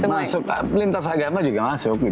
masuk lintas agama juga masuk gitu